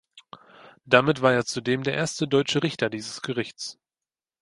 Damit war er zudem der erste deutsche Richter dieses Gerichtes.